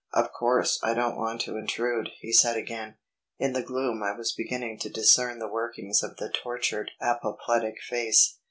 "Of course I don't want to intrude," he said again. In the gloom I was beginning to discern the workings of the tortured apoplectic face.